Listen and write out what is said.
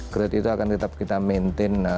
grade itu akan tetap kita maintain